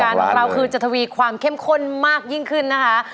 ของเราคือจะทวีความเข้มข้นมากยิ่งขึ้นนะคะ